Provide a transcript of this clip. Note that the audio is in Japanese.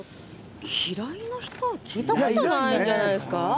嫌いな人、聞いたことないんじゃないですか。